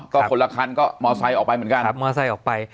ก็คนละคันก็มอเตอร์ไซค์ออกไปเหมือนกันครับมอเตอร์ไซค์ออกไป